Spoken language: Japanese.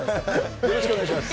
よろしくお願いします。